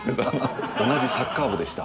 同じサッカー部でした。